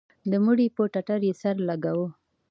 د مړي پر ټټر يې سر لگاوه.